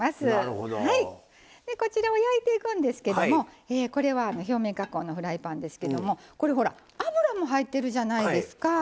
でこちらを焼いていくんですけどもこれは表面加工のフライパンですけどもこれほら油も入ってるじゃないですか。